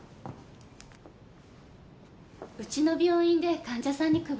うちの病院で患者さんに配ってるものですね。